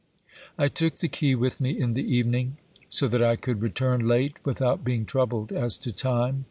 I took the key with me in the evening, so that I could return late without being troubled as to time.